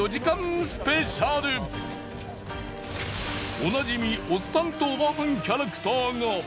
おなじみおっさんとおばはんキャラクターが。